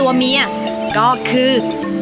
สะพานหินเกิดถึงจากธรรมชาติ